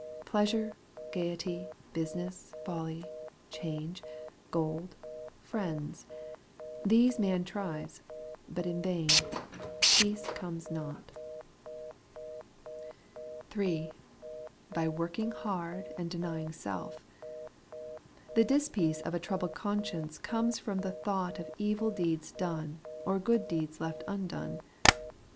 Pleasure^ gaiety, business, folly, change, gold, friends, — these man tries ; but in vain. Peace comes not. The Pardon and the Peace made sure, 169 3. By working hard and denying self. The dis peace of a troubled conscience comes from the thought of evil deeds done, or good deeds left un done.